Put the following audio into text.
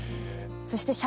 そして。